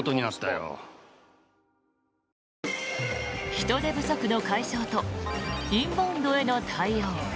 人手不足の解消とインバウンドへの対応。